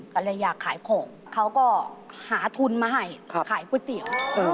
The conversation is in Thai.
ก็เลยอยากขายของเขาก็หาทุนมาให้ขายก๋วยเตี๋ยว